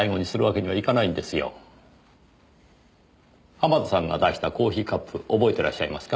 濱田さんが出したコーヒーカップ覚えてらっしゃいますか？